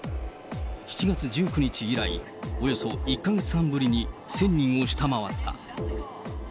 ７月１９日以来、およそ１か月半ぶりに１０００人を下回った。